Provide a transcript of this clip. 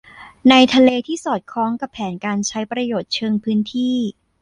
ในทะเลที่สอดคล้องกับแผนการใช้ประโยชน์เชิงพื้นที่